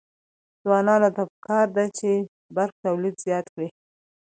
ځوانانو ته پکار ده چې، برق تولید زیات کړي.